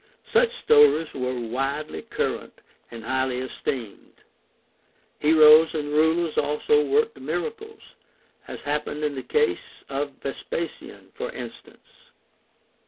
Such stories were widely current and highly esteemed. Heroes and rulers also worked miracles, as happened in the case of Vespasian, for instance.